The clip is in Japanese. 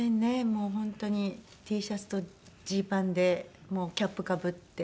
もう本当にＴシャツとジーパンでキャップかぶって。